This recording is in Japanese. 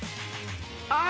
あ！